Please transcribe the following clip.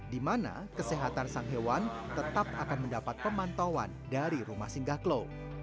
di mana kesehatan sang hewan tetap akan mendapat pemantauan dari rumah singgah klo